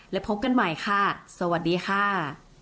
และพบกันใหม่ค่ะสวัสดีค่ะ